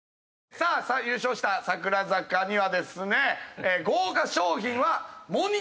さあ優勝した櫻坂にはですね。